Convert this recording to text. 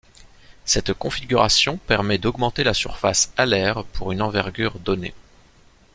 Cette configuration permet d'augmenter la surface alaire pour une envergure donnée.